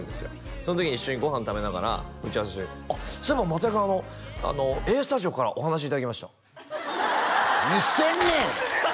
その時に一緒にご飯食べながら打ち合わせ中あっそういえば松也君あの「ＡＳＴＵＤＩＯ＋」からお話いただきました何してんねん！